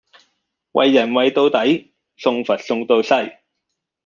為人為到底，送佛送到西。